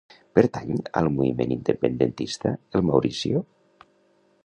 Pertany al moviment independentista el Mauricio?